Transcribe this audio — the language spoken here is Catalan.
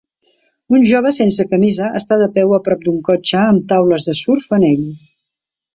Un jove sense camisa està de peu a prop d'un cotxe amb taules de surf en ell